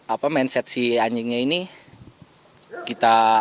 apa mindset si anjingnya ini kita